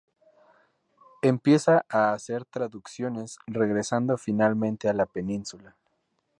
Empieza a hacer traducciones, regresando finalmente a la península.